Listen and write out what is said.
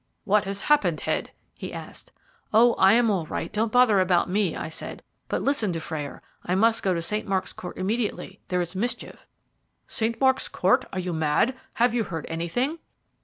"What has happened, Head?" he asked. "Oh! I am all right; don't bother about me," I said. "But listen, Dufrayer, I must go to St. Mark's Court immediately there is mischief." "St. Mark's Court. Are you mad? Have you heard anything?"